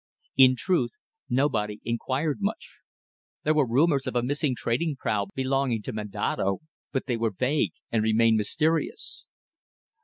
In truth nobody inquired much. There were rumours of a missing trading prau belonging to Menado, but they were vague and remained mysterious.